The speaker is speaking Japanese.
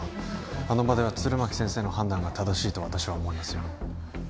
あの場では弦巻先生の判断が正しいと私は思いますよ